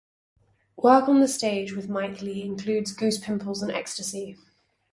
Work on the stage with Mike Leigh includes "Goosepimples" and "Ecstasy".